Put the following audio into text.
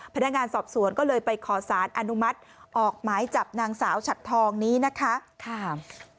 พนักงานสอบสวนก็เลยไปขอสารอนุมัติออกหมายจับนางสาวฉัดทองนี้นะคะ